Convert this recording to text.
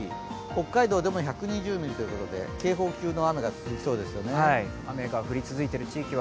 北海道でも１２０ミリということで警報級の雨が続きそうですよね。